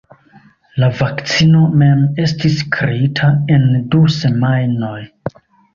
La vakcino mem estis kreita en du semajnoj.